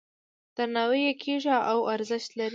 درناوی یې کیږي او ارزښت لري.